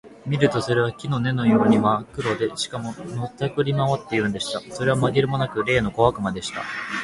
見るとそれは木の根のようにまっ黒で、しかも、のたくり廻っているのでした。それはまぎれもなく、例の小悪魔でした。